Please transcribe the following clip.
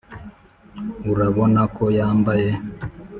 urabona ko yambaye